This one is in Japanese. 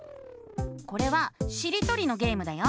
これはしりとりのゲームだよ。